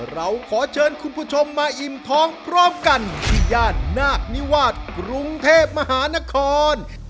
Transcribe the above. เราขอเชิญคุณผู้ชมมาอิ่มท้องพร้อมกันที่ย่านนาคนิวาสกรุงเทพมหานคร